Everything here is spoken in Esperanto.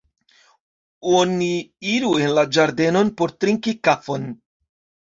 Oni iru en la ĝardenon por trinki kafon.